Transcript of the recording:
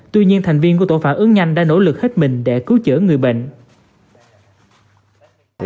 tuy nhiên thành viên của tổ phản ứng nhanh đã nỗ lực hết mình để cứu chữa người bệnh